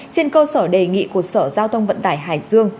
trên cơ sở đề nghị của sở giao thông vận tải hải dương